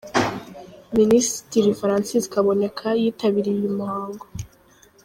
Minisitiri Francis Kaboneka yitabiriye uyu muhango.